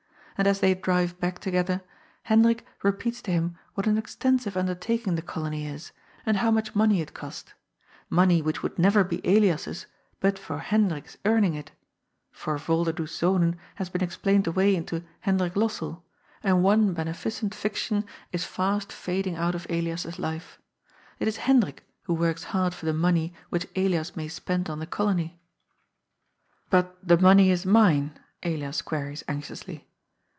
And as they drive back together, Hendrik repeats to him what an extensive undertaking the Colony is, and how much money it cost, money which would never be Elias's but for Hendjik's earning it — ^for "Volderdoes Zonen" has been explained away into '' Hendrik Lossell," and one beneficent fiction is fast fading out of Elias's life. It is Hendrik who works hard for the money which Elias may spend on the Colony. " But the money is mine ?" Elias queries anxiously.